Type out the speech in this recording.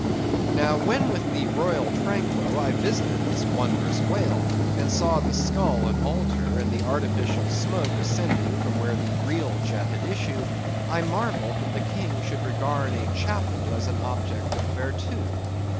Now, when with royal Tranquo I visited this wondrous whale, and saw the skull an altar, and the artificial smoke ascending from where the real jet had issued, I marvelled that the king should regard a chapel as an object of vertu.